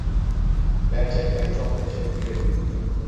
Gerçekten çok teşekkür ederim.